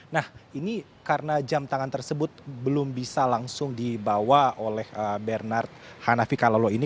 nah ini karena jam tangan tersebut belum bisa langsung dibawa oleh bernard hanafika lolo ini